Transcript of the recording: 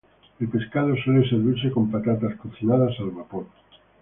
El pescado suele servirse con patatas cocinadas al vapor.